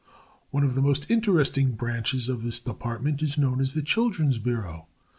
One of the most interesting branches of this Department is known as the Children's Bureau.